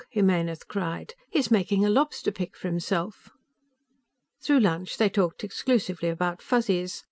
Jimenez cried. "He's making a lobster pick for himself!" Through lunch, they talked exclusively about Fuzzies.